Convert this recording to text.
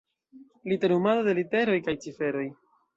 Literumado de literoj kaj ciferoj.